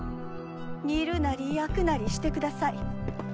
煮るなり焼くなりしてください。